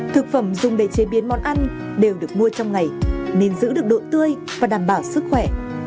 thực phẩm dùng để chế biến món ăn đều được mua trong ngày nên giữ được độ tươi và đảm bảo sức khỏe